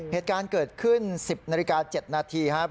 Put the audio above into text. เหตุการณ์เกิดขึ้น๑๐นาฬิกา๗นาทีครับ